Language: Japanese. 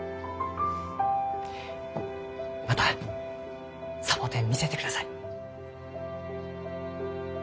またサボテン見せてください。